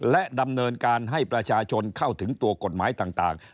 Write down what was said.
และดำเนินการให้ประชาชนเข้าถึงตัวกฎหมายต่าง